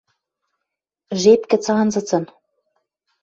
жеп гӹц анзыцын